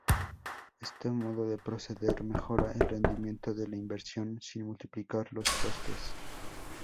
Este modo de proceder mejora el rendimiento de la inversión sin multiplicar los costes.